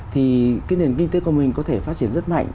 thì cái nền kinh tế của mình có thể phát triển rất mạnh